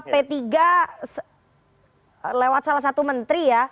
p tiga lewat salah satu menteri ya